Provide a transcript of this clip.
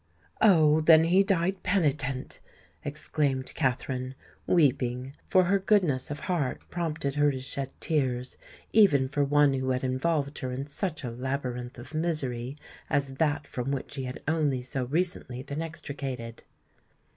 "Oh! then he died penitent!" exclaimed Katherine, weeping—for her goodness of heart prompted her to shed tears even for one who had involved her in such a labyrinth of misery as that from which she had only so recently been extricated.